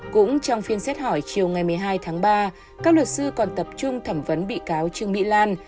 cũng trong phiên xét hỏi chiều ngày một mươi hai tháng ba các luật sư còn tập trung thẩm vấn bị cáo trương mỹ lan